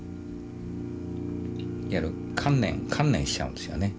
いわゆる観念観念しちゃうんですよね。